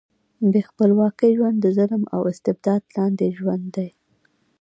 بې خپلواکۍ ژوند د ظلم او استبداد لاندې ژوند دی.